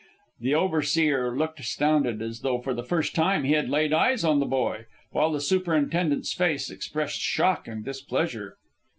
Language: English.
The overseer looked astounded, as though for the first time he had laid eyes on the boy, while the superintendent's face expressed shock and displeasure.